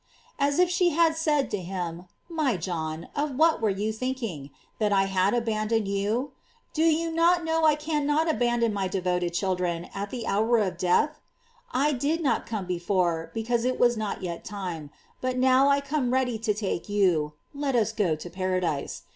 "* As if she had said to him: My John, of what were you thinking? that I had abandoned you ? Do you not know that I can not abandon my devoted children at the hour of death ? I did not come before, because it was not yet time ; but now I come ready to take you, let us go to paradise.